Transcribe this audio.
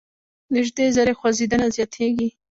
نژدې ذرې خوځیدنه زیاتیږي.